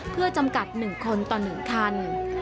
เพื่อจำกัดหนึ่งคนต่อหนึ่งคัน